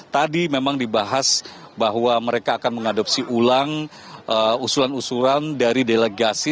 tadi memang dibahas bahwa mereka akan mengadopsi ulang usulan usulan dari delegasi